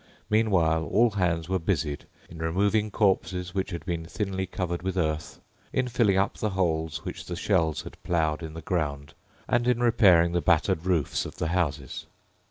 Meanwhile all hands were busied in removing corpses which had been thinly covered with earth, in filling up the holes which the shells had ploughed in the ground, and in repairing the battered roofs of the houses.